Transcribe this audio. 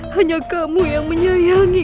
hanya kamu yang menyayangi